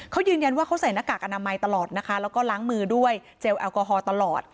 เขายืนยันว่าเขาใส่หน้ากากอนามัยตลอดนะคะแล้วก็ล้างมือด้วยเจลแอลกอฮอล์ตลอด